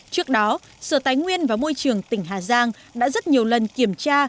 trước đó sở tài nguyên và môi trường tỉnh hà giang đã rất nhiều lần kiểm tra